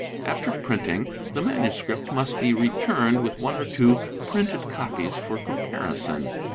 After printing, the MS. must be returned with one or two printed copies for comparison.